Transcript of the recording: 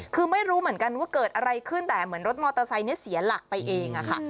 คือไม่รู้เหมือนกันว่าเกิดอะไรขึ้นแต่เหมือนรถมอเตอร์ไซค์นี้เสียหลักไปเองอะค่ะ